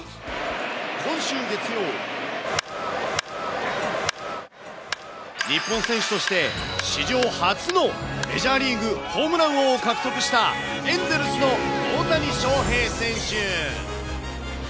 今週月曜、日本選手として史上初のメジャーリーグホームラン王を獲得したエンゼルスの大谷翔平選手。